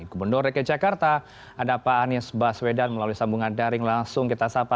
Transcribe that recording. gubernur dki jakarta ada pak anies baswedan melalui sambungan daring langsung kita sapa